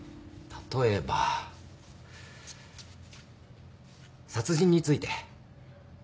例えば殺人について。